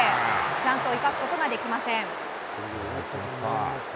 チャンスを生かすことができません。